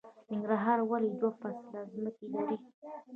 ننګرهار ولې دوه فصله ځمکې لري؟